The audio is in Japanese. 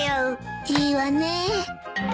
いいわねえ。